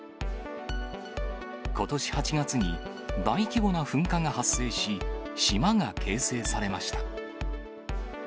ことし８月に大規模な噴火が発生し、島が形成されました。